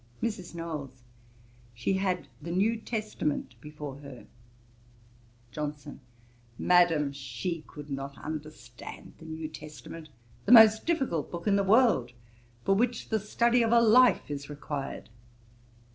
MRS. KNOWLES. 'She had the New Testament before her.' JOHNSON. 'Madam, she could not understand the New Testament, the most difficult book in the world, for which the study of a life is required.'